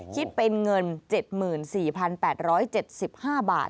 คิดเป็นเงิน๗๔๘๗๕บาท